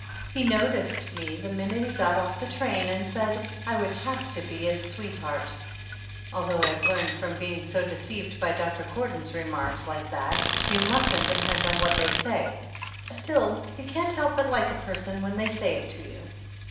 He no ticed me the minute he got off the train and said I would have to be his sweetheart. Although I have learned, from being so deceived by Doctor Gordon's remarks like that, you mustn't depend on what they say, still you can't help but like a person when they say it to you.